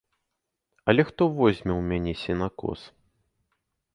Але хто возьме ў мяне сенакос?